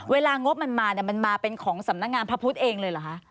เวลางบมันมามันมาเป็นของสำนักงานพระพุทธเองเลยหรือฮะ